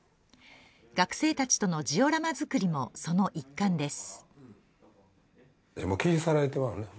学生たちとのジオラマ作りもその一環です